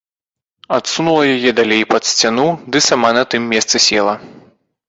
Адсунула яе далей пад сцяну ды сама на тым месцы села.